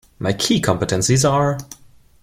My key competencies are...